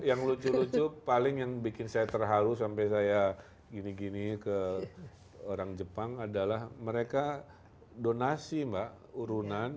yang lucu lucu paling yang bikin saya terharu sampai saya gini gini ke orang jepang adalah mereka donasi mbak urunan